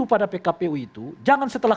pada pkpu itu jangan setelah